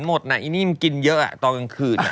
หมดน่ะอีนี่มันกินเยอะตอนกลางคืน